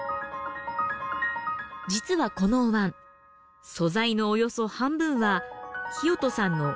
実はこのおわん素材のおよそ半分は聖人さんのお米なんです。